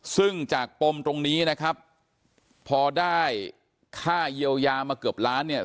ซึ่งจากปมตรงนี้นะครับพอได้ค่าเยียวยามาเกือบล้านเนี่ย